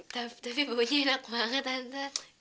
tapi tapi bunyinya enak banget tante